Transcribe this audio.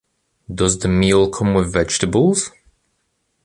Does the meal come with vegetables?